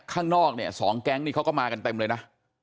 ข้างนอกเนี่ย๒แก๊งนี่เขาก็มากันเต็มเลยนะ